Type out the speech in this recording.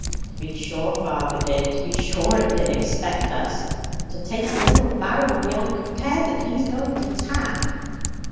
"To be sure father did! To be sure 'a did expect us to taste the little barrel beyond compare that he's going to tap."